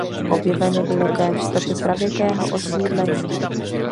Objeveny byly též stopy pravěkého osídlení.